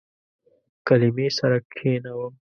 کلمې سره کښینوم